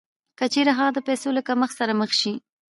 که چېرې هغه د پیسو له کمښت سره مخ شي